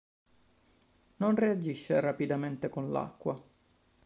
Non reagisce rapidamente con l'acqua.